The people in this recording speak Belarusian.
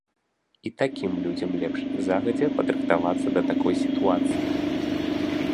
І такім людзям лепш загадзя падрыхтавацца да такой сітуацыі.